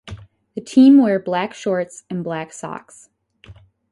The team wear black shorts and black socks.